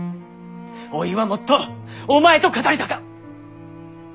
おいはもっとお前と語りたか。